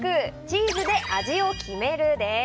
チーズで味を決める！です。